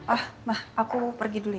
ah mah aku pergi dulu